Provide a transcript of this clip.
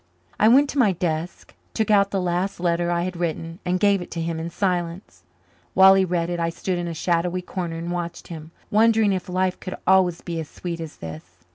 I went to my desk, took out the last letter I had written and gave it to him in silence. While he read it I stood in a shadowy corner and watched him, wondering if life could always be as sweet as this.